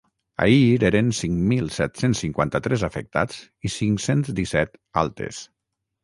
Ahir eren cinc mil set-cents cinquanta-tres afectats i cinc-cents disset altes.